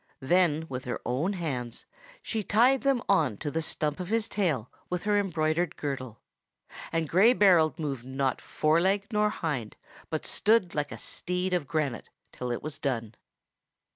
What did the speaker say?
Then with her own hands she tied them on to the stump of his tail with her embroidered girdle; and Gray Berold moved not fore leg nor hind, but stood like a steed of granite till it was done.